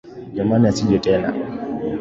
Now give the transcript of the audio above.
Jamani asije tena.